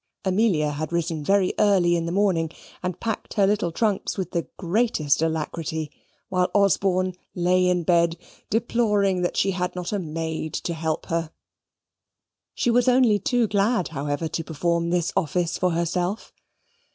Amelia had risen very early in the morning, and packed her little trunks with the greatest alacrity, while Osborne lay in bed deploring that she had not a maid to help her. She was only too glad, however, to perform this office for herself.